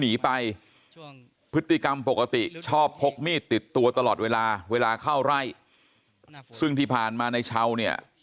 หนีไปพฤติกรรมปกติชอบพกมีดติดตัวตลอดเวลาเวลาเข้าไร่ซึ่งที่ผ่านมาในเช้าเนี่ย